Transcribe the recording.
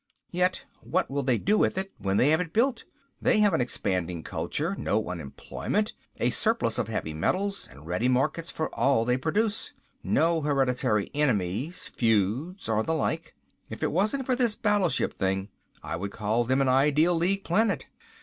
Yet what will they do with it when they have it built? They have an expanding culture, no unemployment, a surplus of heavy metals and ready markets for all they produce. No hereditary enemies, feuds or the like. If it wasn't for this battleship thing, I would call them an ideal League planet.